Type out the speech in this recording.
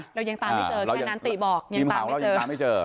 เรายังตามไม่เจอแค่นั้นตีบอกยังตามไม่เจอ